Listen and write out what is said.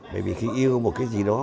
bởi vì khi yêu một cái gì đó